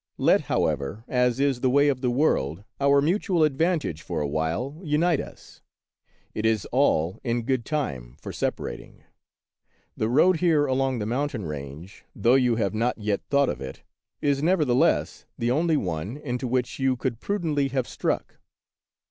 " Let, however, as is the way of the world, our mutual advan tage for a while unite us. It is all in good time for separating. The road here along the moun tain range, though you have not yet thought of it, is, nevertheless, the only one into which you could prudently have struck.